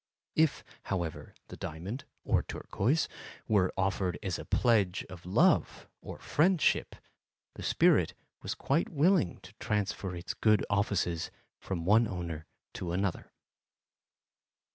If, however, the diamond (or turquoise) were offered as a pledge of love or friendship, the spirit was quite willing to transfer its good offices from one owner to another.